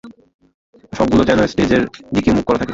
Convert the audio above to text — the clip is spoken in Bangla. সবগুলো যেন স্টেজের দিকে মুখ করা থাকে।